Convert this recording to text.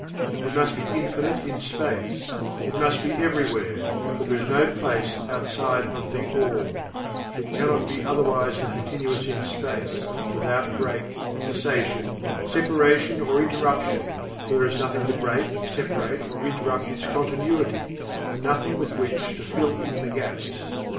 It must be Infinite in Space it must be Everywhere, for there is no place outside of THE ALL it cannot be otherwise than continuous in Space, without break, cessation, separation, or interruption, for there is nothing to break, separate, or interrupt its continuity, and nothing with which to "fill in the gaps."